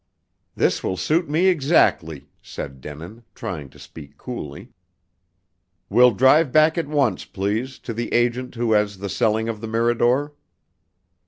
"This will suit me exactly," said Denin, trying to speak coolly. "We'll drive back at once, please, to the agent who has the selling of the Mirador."